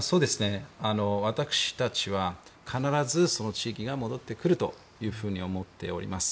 私たちは必ずその地域が戻ってくると思っております。